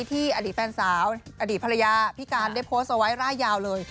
อดีตแฟนสาวอดีตภรรยาพี่การได้โพสต์เอาไว้ร่ายยาวเลย